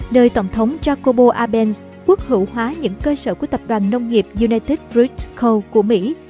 nơi tổng thống jacobo arbenz quốc hữu hóa những cơ sở của tập đoàn nông nghiệp united fruit coal của mỹ